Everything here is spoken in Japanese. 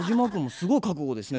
すごい覚悟ですね